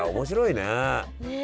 ねえ。